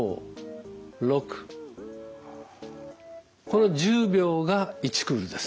この１０秒が１クールです。